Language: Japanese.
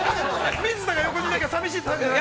◆水田が横にいないと寂しいタイプじゃない？